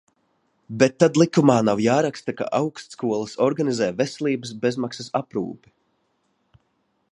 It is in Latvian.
Bet tad likumā nav jāraksta, ka augstskolas organizē veselības bezmaksas aprūpi.